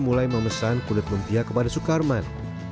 mulai memesan kulit lumpia kepada sukarman